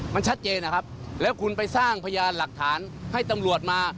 มันชัดเจนนะครับแล้วคุณไปสร้างพยานหลักฐานให้ตำรวจมา